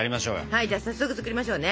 はいじゃ早速作りましょうね。